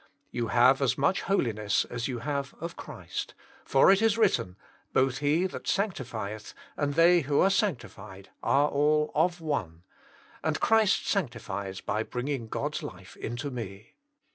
You have as much holiness as you have of Christ, for it is written, Both he that sanctifieth and they who are sanctified are all of one;" and Christ sanctifies by bringing God's life into me.